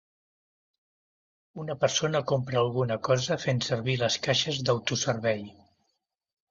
Una persona compra alguna cosa fent servir les caixes d'autoservei.